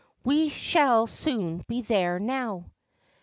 We shall soon be there now.